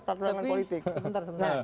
tapi sebentar sebentar